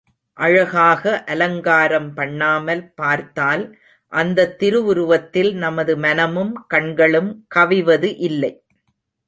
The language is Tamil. அழகாக அலங்காரம் பண்ணாமல் பார்த்தால் அந்தத் திருவுருவத்தில் நமது மனமும் கண்களும் கவிவது இல்லை.